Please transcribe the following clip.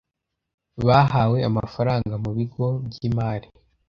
bahawe amafaranga mu bigo by imari